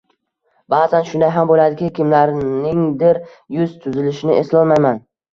Baʼzan shunday ham boʻladiki, kimlarningdir yuz tuzilishini eslolmayman.